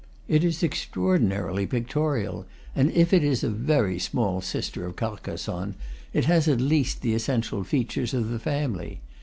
It is extraordinarily pictorial, and if it is a very small sister of Carcassonne, it has at least the essential features of the family.